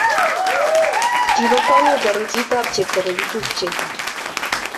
Kibo kwongut arusit ab chepto nekitupche